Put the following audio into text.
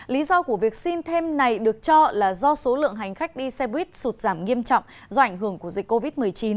lý do của việc xin thêm này được cho là do số lượng hành khách đi xe buýt sụt giảm nghiêm trọng do ảnh hưởng của dịch covid một mươi chín